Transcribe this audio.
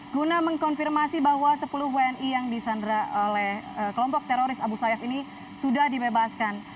guna mengkonfirmasi bahwa sepuluh wni yang disandra oleh kelompok teroris abu sayyaf ini sudah dibebaskan